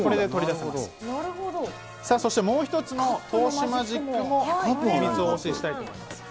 さあそしてもう１つの透視マジックも、秘密をお教えしたいと思います。